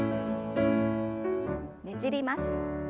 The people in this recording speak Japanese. ねじります。